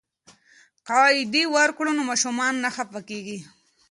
که عیدي ورکړو نو ماشومان نه خفه کیږي.